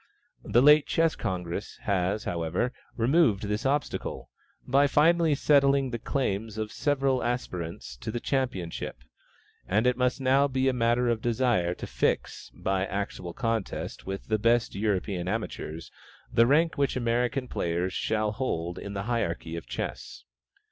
The late Chess Congress has, however, removed this obstacle, by finally settling the claims of the several aspirants to the championship; and it must now be a matter of general desire to fix, by actual contest with the best European amateurs, the rank which American players shall hold in the hierarchy of chess.